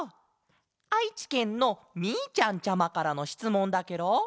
あいちけんのみーちゃんちゃまからのしつもんだケロ！